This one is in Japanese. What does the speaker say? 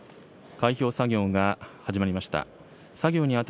開票作業が始まりました。